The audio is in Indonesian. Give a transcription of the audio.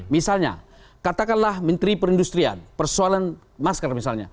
misalnya katakanlah menteri perindustrian persoalan masker misalnya